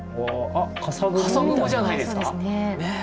かさ雲じゃないですか？